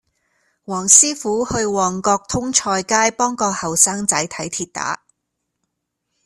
黃師傅去旺角通菜街幫個後生仔睇跌打